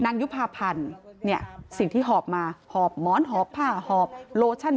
ยุภาพันธ์เนี่ยสิ่งที่หอบมาหอบหมอนหอบผ้าหอบโลชั่น